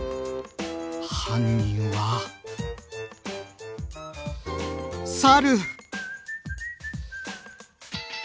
犯人は猿！